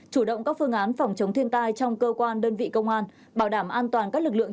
chủ động các phương án phòng chống thiên tai trong cơ quan đơn vị công an bảo đảm an toàn các lực lượng